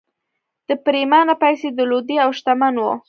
ده پرېمانه پيسې درلودې او شتمن و